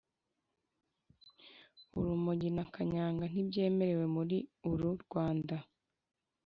urumogi na kanyanga ntibyemewe muri uru rwanda